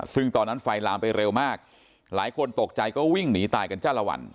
ซึ่งตอนนั้นไฟลามไปเร็วมากหลายคนตกใจก็วิ่งหนีตายกันจ้าละวัน